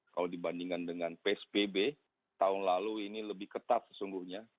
kalau dibandingkan dengan psbb tahun lalu ini lebih ketat sesungguhnya